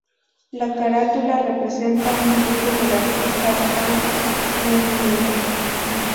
La carátula representa un dibujo del artista Hans Memling.